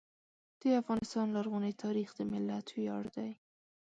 د افغانستان لرغونی تاریخ د ملت ویاړ دی.